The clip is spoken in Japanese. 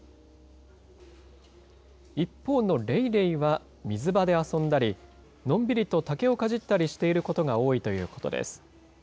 一方のレイレイは、水場で遊んだり、のんびりと竹をかじったりしていることが多いということです。